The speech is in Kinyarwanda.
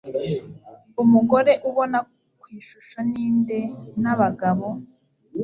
umugore ubona ku ishusho ni nde n abo bagabo